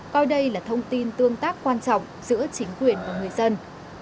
coi đây là thông tin tương tác quan trọng giữa chính quyền và người dân